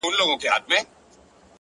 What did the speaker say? پرمختګ له کوچنیو بدلونونو راټوکېږي،